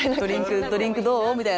ドリンクどう？みたいな。